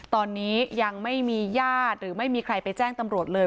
ตอนนี้ยังไม่มีญาติหรือไม่มีใครไปแจ้งตำรวจเลย